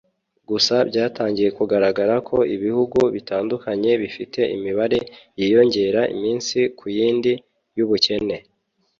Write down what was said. gusa byatangiye kugaragara ko ibihugu bitandukanye bifite imibare yiyongera iminsi ku yindi y' ubukene